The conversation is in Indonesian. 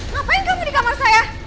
ngapain kamu di kamar saya